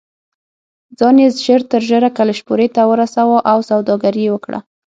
ځان یې ژر تر ژره کلشپورې ته ورساوه او سوداګري یې وکړه.